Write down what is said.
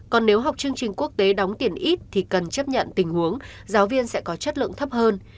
còn nếu học chương trình quốc tế đóng tiền ít thì cần chấp nhận tình huống giáo viên sẽ có chất lượng thấp hơn